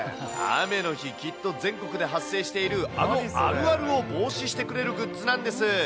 雨の日、きっと全国で発生しているあるあるを防止してくれるグッズなんです。